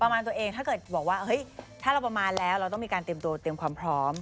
มาตัวเองถ้าเกิดบอกว่าเฮ้ยถ้าเราประมาณแล้วเราต้องมีการเตรียมตัวเตรียมความพร้อม